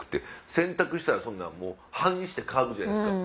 洗濯したらそんなん半日で乾くじゃないですか。